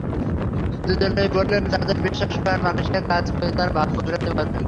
দুজনেই বললেন, তাঁরা বিশ্বাস করেন মালয়েশিয়ায় কাজ করে তাঁরা ভাগ্য ফেরাতে পারবেন।